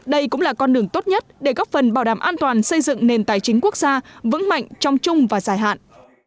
đây cũng là con đường tốt nhất để góp phần bảo đảm an toàn xây dựng nền tài chính quốc gia vững mạnh trong chung và dài hạn